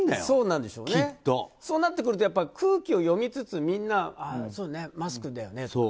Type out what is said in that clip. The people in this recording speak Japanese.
そうなってくると空気を読みつつみんな、マスクだよね